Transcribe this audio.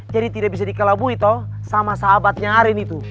jadi tidak bisa dikelabui toh sama sahabatnya arin itu